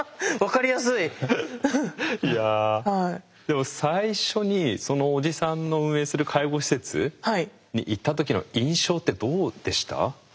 でも最初にそのおじさんの運営する介護施設に行った時の印象ってどうでした？